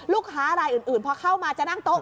ลูกค้ารายอื่นพอเข้ามาจะนั่งโต๊ะ